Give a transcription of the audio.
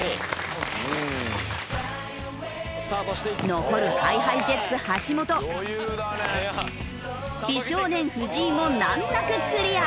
残るＨｉＨｉＪｅｔｓ橋本美少年藤井も難なくクリア。